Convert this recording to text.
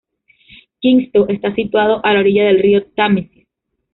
Kingston está situado a la orilla del río Támesis.